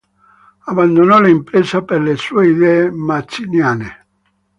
Abbandonò l'impresa per le sue idee mazziniane.